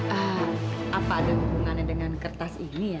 apa ada hubungannya dengan kertas ini ya